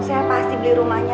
saya pasti beli rumahnya